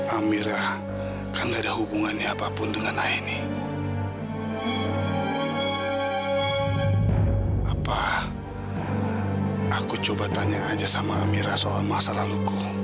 amira kan gak ada hubungannya apapun dengan aini apa aku coba tanya aja sama amira soal masa laluku